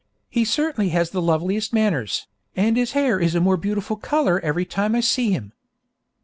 He certainly has the loveliest manners, and his hair is a more beautiful colour every time I see him.